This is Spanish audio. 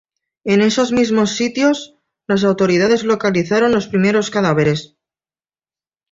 En esos mismos sitios, las autoridades localizaron los primeros cadáveres.